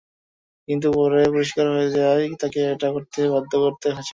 কিন্তু পরে পরিষ্কার হয়ে যায়, তাঁকে এটা করতে বাধ্য করা হয়েছিল।